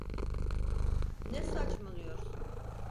Ne saçmalıyorsun?